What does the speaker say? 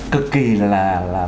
cực kỳ là